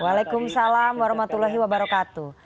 waalaikumsalam warahmatullahi wabarakatuh